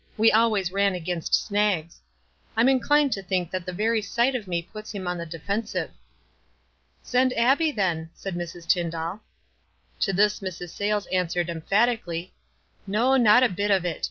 We always ran against snags. I'm in clined to think that the very sight of me puts him on the defensive." "Send Abbie, then," said Mrs. Tyndall. To this Mrs. Sayles answered, emphatically, —" No, not a bit of it.